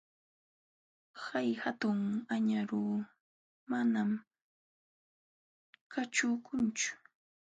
Hay hatun añaru manam kaćhukunchu.